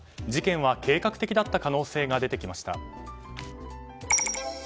事件は計画的だった可能性が出てきました。